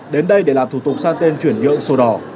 đến đây để làm thủ tục sang tên chuyển nhượng sổ đỏ